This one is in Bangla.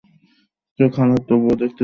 খালিদ তবুও দেখতে থাকেন।